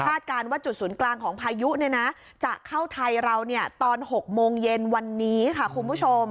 การว่าจุดศูนย์กลางของพายุจะเข้าไทยเราตอน๖โมงเย็นวันนี้ค่ะคุณผู้ชม